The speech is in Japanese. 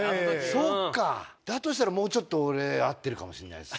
そっかだとしたらもうちょっと俺会ってるかもしんないです。